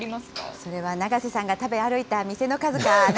それは長瀬さんが食べ歩いた店の数かな？